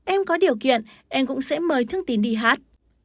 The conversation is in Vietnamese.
em có điều kiện em cũng sẽ mời thương tin đi hát